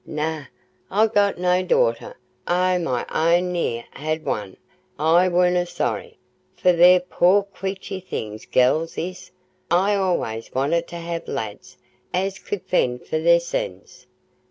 Nay, I'n got no daughter o' my own—ne'er had one—an' I warna sorry, for they're poor queechy things, gells is; I allays wanted to ha' lads, as could fend for theirsens.